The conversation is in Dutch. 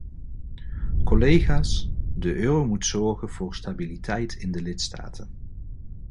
Collega's, de euro moet zorgen voor stabiliteit in de lidstaten.